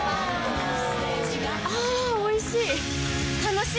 あぁおいしい！